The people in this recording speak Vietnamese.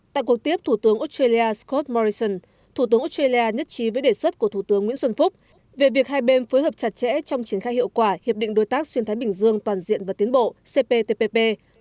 tại cuộc tiếp thủ tướng australia scott morrison thủ tướng australia nhất trí với đề xuất của thủ tướng nguyễn xuân phúc về việc hai bên phối hợp chặt chẽ trong triển khai hiệu quả hiệp định đối tác xuyên thái bình dương toàn diện và tiến bộ cptpp